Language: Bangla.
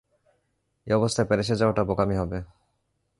এই অবস্থায় প্যারিসে যাওয়াটাও বোকামি হবে।